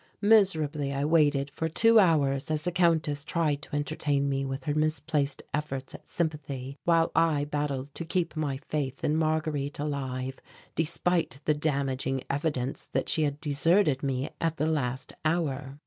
Miserably I waited for two hours as the Countess tried to entertain me with her misplaced efforts at sympathy while I battled to keep my faith in Marguerite alive despite the damaging evidence that she had deserted me at the last hour.